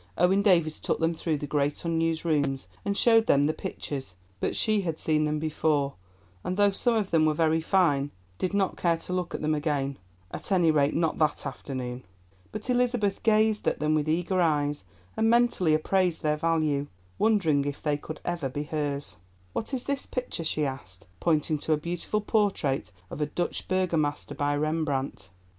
Owen Davies took them through the great unused rooms and showed them the pictures, but she had seen them before, and though some of them were very fine, did not care to look at them again—at any rate, not that afternoon. But Elizabeth gazed at them with eager eyes and mentally appraised their value, wondering if they would ever be hers. "What is this picture?" she asked, pointing to a beautiful portrait of a Dutch Burgomaster by Rembrandt.